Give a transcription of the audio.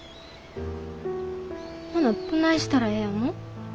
ほなどないしたらええ思う？